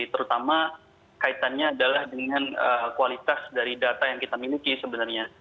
terutama kaitannya adalah dengan kualitas dari data yang kita miliki sebenarnya